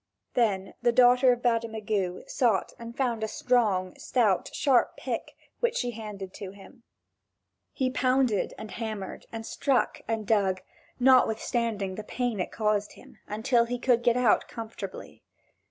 Then the daughter of Bademagu sought and found a strong, stout, sharp pick, which she handed to him. He pounded, and hammered and struck and dug, notwithstanding the pain it caused him, until he could get out comfortably.